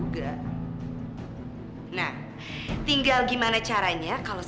banyak sekali plan plan cadangan